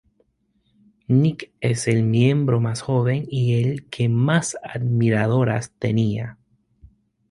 Nick es el miembro más joven y el que más admiradoras tenía.